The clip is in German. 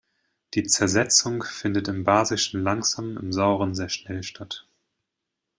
Die Zersetzung findet im Basischen langsam, im Sauren sehr schnell statt.